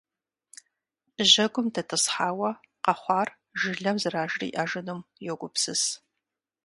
Жьэгум дэтӀысхьауэ, къэхъуар жылэм зэражриӏэжынум йогупсыс.